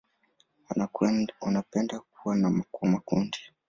Wanapenda kuwa kwa makundi.